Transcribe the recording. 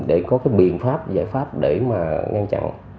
để có cái biện pháp giải pháp để mà ngăn chặn